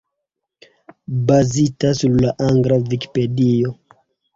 Bazita sur la angla Vikipedio.